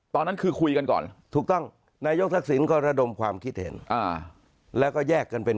ตอนนั้นคือคุยกันก่อน